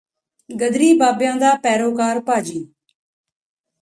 ਗਦਰੀ ਬਾਬਿਆ ਦਾ ਪੈਰੋਕਾਰ ਭਾਜੀ